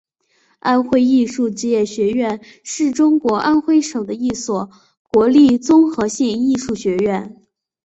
安徽艺术职业学院是中国安徽省的一所国立综合性艺术学院。